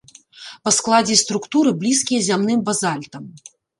Па складзе і структуры блізкія зямным базальтам.